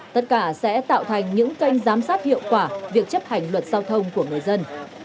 tất cả sẽ tạo thành những kênh giám sát hiệu quả việc chấp hành luật giao thông của người dân